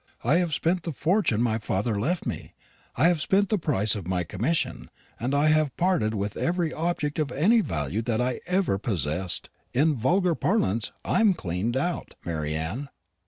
I have spent the fortune my father left me; I have spent the price of my commission; and I have parted with every object of any value that I ever possessed in vulgar parlance, I am cleaned out, Mary Anne.